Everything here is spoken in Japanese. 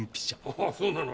ああそうなの。